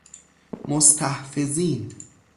مستحفظین